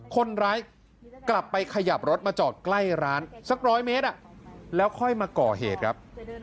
คนร้ายกลับไปขยับรถมาจอดใกล้ร้านสัก๑๐๐เมตรแล้วค่อยมาก่อเหตุครับ